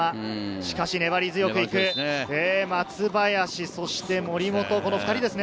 しかし粘り強く行く松林、そして森本、この２人ですね。